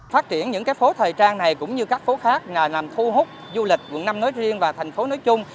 phát triển những cái phố thời trang này cũng như các phố khác làm thu hút du lịch quận năm nói riêng và thành phố nói chung